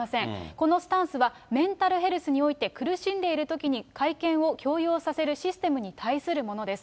このスタンスは、メンタルヘルスにおいて、苦しんでいるときに会見を強要させるシステムに対するものです。